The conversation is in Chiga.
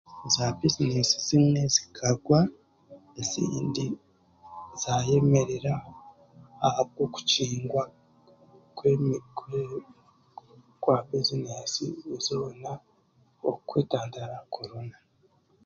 Za bizineesi zimwe zikagwa ezindi zaayemerera ahabw'okukingwa kwemi kwemi kwa buzineesi zoona kwetantara korona